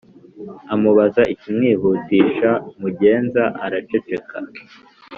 amubaza ikimwihutisha mugenza araceceka